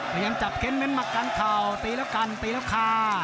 พยายามจับเค้นน้ำมักการเผ่าตีแล้วกันตีแล้วขา